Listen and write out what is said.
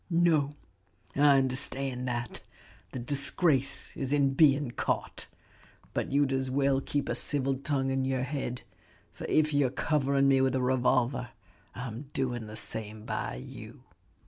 "No, I understand that, the disgrace is in being caught. But you'd as well keep a civil tongue in your head; for if you're covering me with a revolver, I'm doing the same by you."